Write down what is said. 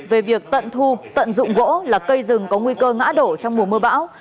về việc tận thu tận dụng gỗ là cây rừng có nguy cơ ngã đổ trong mùa mưa bão